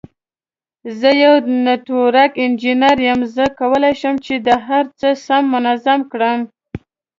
زه یو نټورک انجینیر یم، زه کولای شم چې دا هر څه سم منظم کړم.